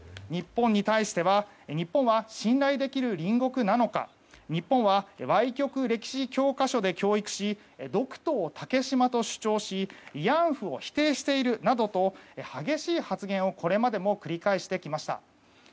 日本に対しては日本は信頼できる隣国なのか日本は歪曲歴史教科書で教育しドクトを竹島と主張し慰安婦を否定しているなどと激しい発言をこれまでも繰り返してきました。